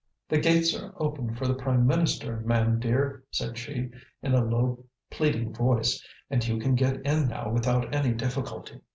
"The gates are open for the prime minister, mam dear," said she, in a low, pleading voice, "and you can get in now without any difficulty."